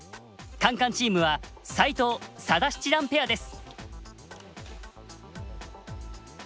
カンカンチームは齋藤・佐田七段ペアです。